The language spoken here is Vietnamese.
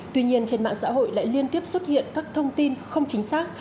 tuy nhiên trên mạng xã hội lại liên tiếp xuất hiện các thông tin không chính xác